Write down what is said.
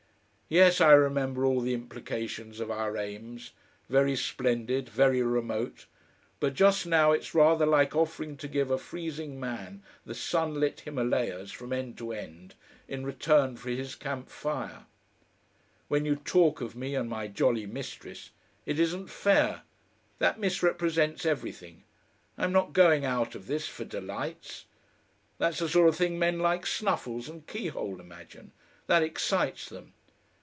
Yes, I remember all the implications of our aims very splendid, very remote. But just now it's rather like offering to give a freezing man the sunlit Himalayas from end to end in return for his camp fire. When you talk of me and my jolly mistress, it isn't fair. That misrepresents everything. I'm not going out of this for delights. That's the sort of thing men like Snuffles and Keyhole imagine that excites them!